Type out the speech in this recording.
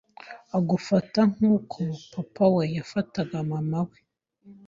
agufata nkuko papa wawe yafataga mama wawe